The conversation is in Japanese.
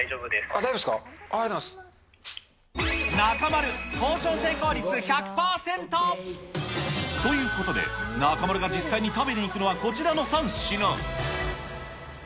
ありがとうご中丸、交渉成功率１００％。ということで、中丸が実際に食べに行くのはこちらの３品。